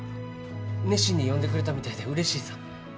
熱心に読んでくれたみたいでうれしいさ。